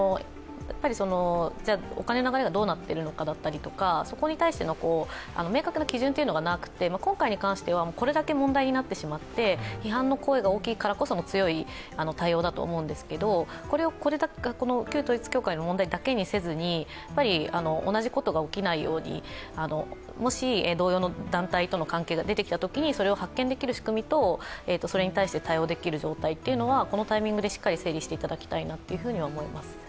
お金の流れがどうなっているのかとか、そこに対する明確な基準がなくて、今回に関してはこれだけ問題になってしまって批判の声が大きいからこそ強い対応だと思うんですけど、これを旧統一教会だけの問題にせずに同じことが起きないようにもし同様の団体との関係が出てきたときにそれを発見できる仕組みとそれに対して対応できる状態というのは、このタイミングでしっかり整理してもらいたいと思います。